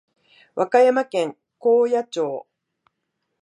和歌山県高野町